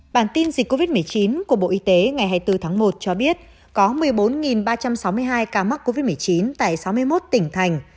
bản tin dịch covid một mươi chín của bộ y tế ngày hai mươi bốn tháng một cho biết có một mươi bốn ba trăm sáu mươi hai ca mắc covid một mươi chín tại sáu mươi một tỉnh thành